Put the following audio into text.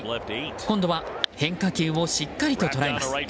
今度は変化球をしっかりと捉えます。